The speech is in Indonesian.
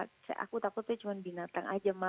saya aku takutnya cuma binatang aja mah